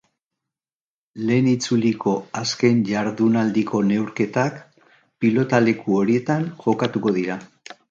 Lehen itzuliko azken jardunaldiko neurketak pilotaleku horietan jokatuko dira.